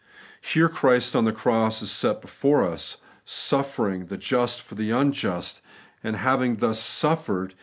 Here Christ on the cross is set before us, suffering the just for the unjust ; and having thus suffered.